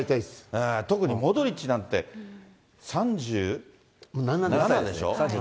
特にモドリッチなんて、３７でしょ。